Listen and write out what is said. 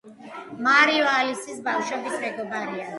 მარიო ალისის ბავშვობის მეგობარია.